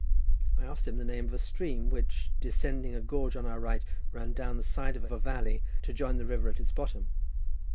I asked him the name of a stream which, descending a gorge on our right, ran down the side of a valley, to join the river at its bottom.